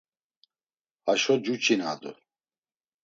Haşo cuçinadu.